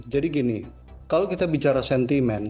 jadi gini kalau kita bicara sentimen